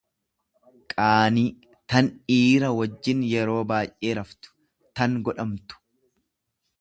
qaanii tan dhiira wajjin yeroo baay'ee raftu, tan godhamtu.